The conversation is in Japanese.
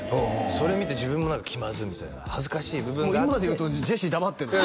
それ見て自分も何か気まずみたいな恥ずかしい部分があって今でいうと「ジェシー黙って」ですよ